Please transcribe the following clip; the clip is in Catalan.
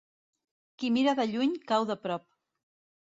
Qui mira de lluny, cau de prop.